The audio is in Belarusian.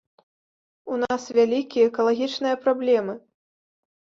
У нас вялікія экалагічныя праблемы.